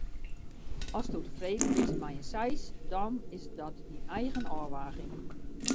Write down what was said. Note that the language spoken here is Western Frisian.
Asto tefreden bist mei in seis, dan is dat dyn eigen ôfwaging.